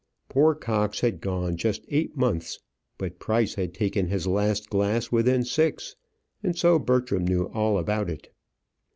Poor Cox had gone just eight months; but Price had taken his last glass within six. And so Bertram knew all about it.